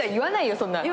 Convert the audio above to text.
そんなん。